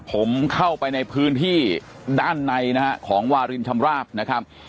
ผมเข้าไปในพื้นที่ด้านในนะฮะของวารินชำราบนะครับ